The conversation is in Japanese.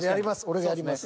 俺がやります。